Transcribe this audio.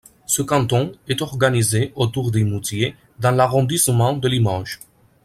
Ce canton est organisé autour d'Eymoutiers dans l'arrondissement de Limoges.